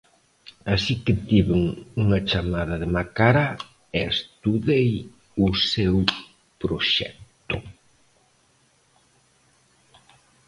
Así que tiven unha chamada de Macará e estudei o seu proxecto.